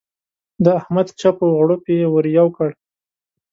د احمد چپ و غړوپ يې ور یو کړ.